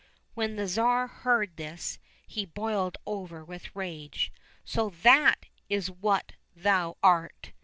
When the Tsar heard this he boiled over with rage. " So that is what thou art